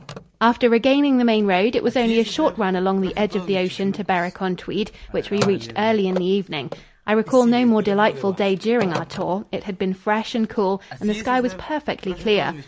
After regaining the main road, it was only a short run along the edge of the ocean to Berwick on Tweed, which we reached early in the evening. I recall no more delightful day during our tour. It had been fresh and cool, and the sky was perfectly clear.